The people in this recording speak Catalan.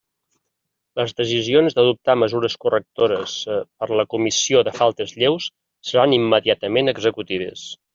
Les decisions d'adoptar mesures correctores per la comissió de faltes lleus seran immediatament executives.